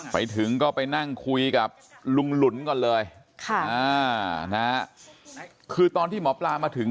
ไปถึงก็ไปนั่งคุยกับลุงหลุนก่อนเลยคือตอนที่หมอปลามาถึง